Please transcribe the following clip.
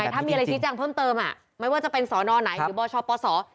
ถ้ามีอะไรชี้แจ้งเพิ่มเติมไม่ว่าจะเป็นสนไหนหรือบชปศ